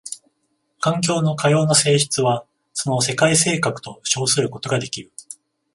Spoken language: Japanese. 環境のかような性質はその世界性格と称することができる。